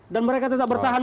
dan mereka tetap bertahan